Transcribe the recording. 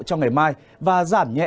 trong ngày mai và giảm nhẹ